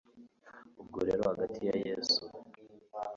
ubwo rero hagati ya yesu